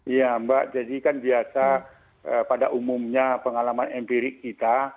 iya mbak jadi kan biasa pada umumnya pengalaman empirik kita